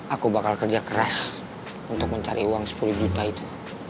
aku bakal kerja keras untuk mencari uang sepuluh juta itu